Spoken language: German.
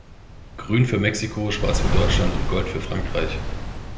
Grün für Mexiko, Schwarz für Deutschland und Gold für Frankreich.